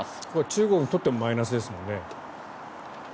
中国にとってもマイナスですもんね。